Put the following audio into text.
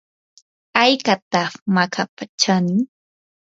¿haykataq makapa chanin?